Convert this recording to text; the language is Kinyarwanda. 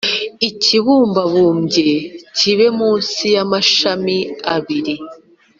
Ikibumbabumbye kibe munsi y’amashami abiri